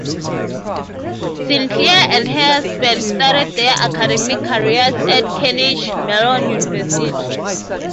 Sinclair and her husband started their academic careers at Carnegie Mellon University.